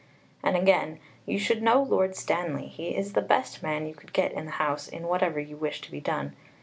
And again: "You should know Lord Stanley; he is the best man you could get in the House in whatever you wish to be done.